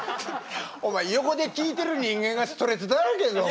お前横で聞いてる人間がストレスだらけだぞ。